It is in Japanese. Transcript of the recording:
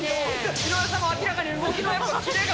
井上さん、明らかに動きのキレが。